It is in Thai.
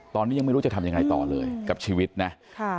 ตอนนี้ยังไม่รู้จะทำยังไงต่อเลยกับชีวิตนะ